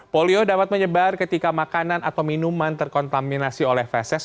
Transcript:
polio dapat menyebar ketika makanan atau minuman terkontaminasi oleh fesis